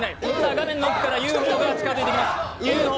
画面の奥からＵＦＯが近づいてきます